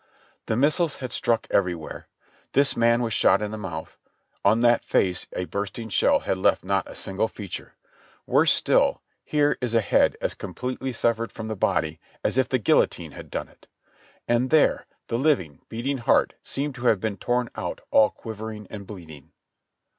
The missiles had struck everywhere ; this man was shot in the mouth ; on that face a bursting shell had not left a single feature ; worse still, here is a head as completely severed from the body as if the guillotine had done it; and there, the living, beating heart seemed to have been torn out all quivering and bleeding.